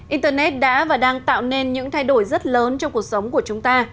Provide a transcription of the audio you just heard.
internet đã và đang tạo nên những thay đổi rất lớn trong cuộc sống của chúng ta